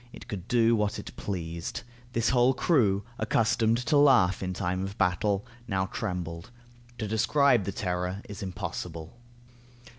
It could do what it pleased. This whole crew, accustomed to laugh in time of battle, now trembled. To describe the terror is impossible.